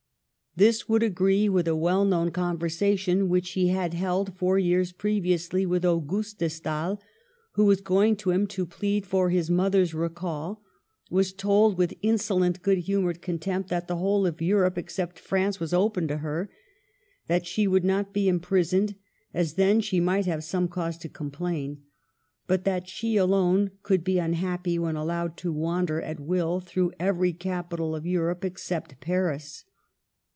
This would agree with a well known conversation which he had held four years previously with Auguste de Stael, who, going to him to plead for his mother's recall, was told, with insolent, good humored contempt, that the whole of Europe, except France, was open to her ; that she would not be imprisoned, as then she might have some cause to complain, but that she alone could be unhappy when allowed to wander at will through every capital of Europe except Paris.